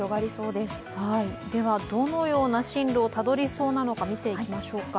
ではどのような進路をたどりそうなのか見ていきましょうか。